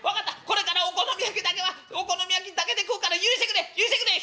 これからお好み焼きはお好み焼きだけで食うから許してくれ許してくれ！」。